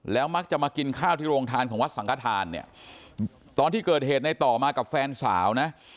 มักจะมากินข้าวที่โรงทานของวัดสังฆฐานเนี่ยตอนที่เกิดเหตุในต่อมากับแฟนสาวนะ